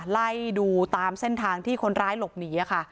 ไล่ดูตามเส้นทางที่คนร้ายหลบหนีค่ะ